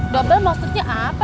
dobel maksudnya apa